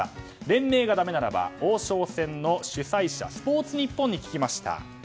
連盟がだめならば王将戦の主催者スポーツニッポンに聞きました。